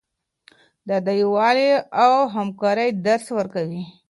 دا د یووالي او همکارۍ درس ورکوي.